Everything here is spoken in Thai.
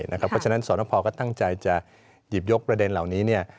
เพราะฉะนั้นสนพก็ตั้งใจจะหยิบยกประเด็นเหล่านี้